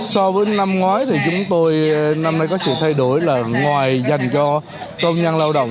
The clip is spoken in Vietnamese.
so với năm ngoái thì chúng tôi năm nay có sự thay đổi là ngoài dành cho công nhân lao động